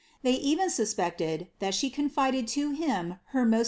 They even suspected that she confided lo him ber most ' i.